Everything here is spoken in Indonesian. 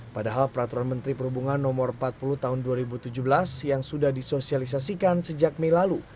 padahal peraturan menteri perhubungan no empat puluh tahun dua ribu tujuh belas yang sudah disosialisasikan sejak mei lalu